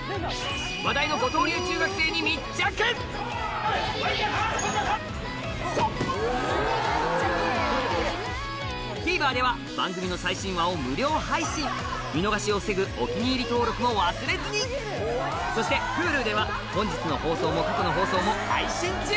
話題のＴＶｅｒでは番組の最新話を無料配信見逃しを防ぐ「お気に入り」登録も忘れずにそしてＨｕｌｕでは本日の放送も過去の放送も配信中